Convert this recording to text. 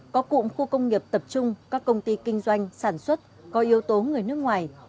có cụm khu công nghiệp tập trung các công ty kinh doanh sản xuất có yếu tố người nước ngoài